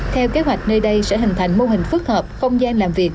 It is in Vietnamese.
theo kế hoạch nơi đây sẽ hình thành mô hình phức hợp không gian làm việc